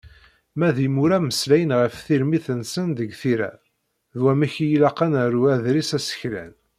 Ma d imura mmeslayen ɣef tirmit-nsen deg tira, d wamek i ilaq ad naru aḍris aseklan.